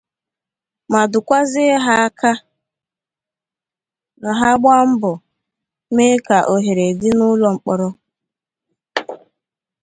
ma dụkwazie ha ka ha gbaa mbọ mee ka ohèrè dị n'ụlọ mkpọrọ